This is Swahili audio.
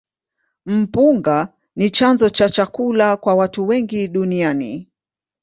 Mpunga ni chanzo cha chakula kwa watu wengi duniani.